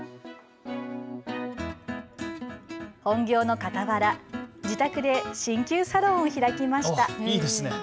本業のかたわら、自宅でしんきゅうサロンを開きました。